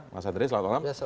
mas andre selamat malam